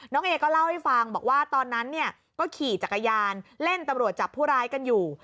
เอก็เล่าให้ฟังบอกว่าตอนนั้นเนี่ยก็ขี่จักรยานเล่นตำรวจจับผู้ร้ายกันอยู่